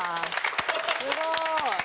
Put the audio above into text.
すごーい！